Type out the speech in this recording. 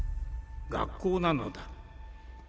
学校なのだ